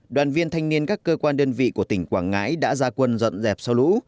đoàn viên thanh niên các cơ quan đơn vị của tỉnh quảng ngãi đã ra quân dọn dẹp sau lũ